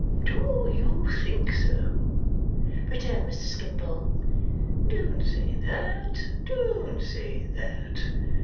"Do you think so!" returned Mr. Skimpole. "Don't say that, don't say that.